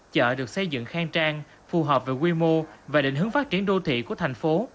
chợ được xây dựng khang trang phù hợp với quy mô và định hướng phát triển đô thị của thành phố